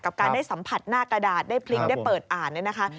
กับการได้สัมผัสหน้ากระดาษได้ปริงได้เปิดอ่านด้วยนะฮะ